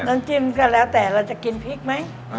น้ำจิ้มก็แล้วแต่เราจะกินพริกไหม